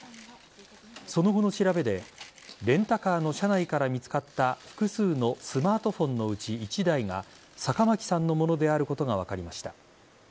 その後の調べでレンタカーの車内から見つかった複数のスマートフォンのうち１台が坂巻さんのものであることが分かりました。